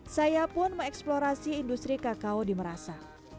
saya pun mengeksplorasi industri kakao di merasa